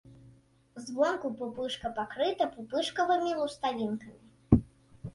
Звонку пупышка пакрыта пупышкавымі лускавінкамі.